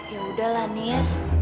yaudah lah nis